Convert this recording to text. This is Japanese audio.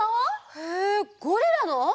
へえゴリラの！？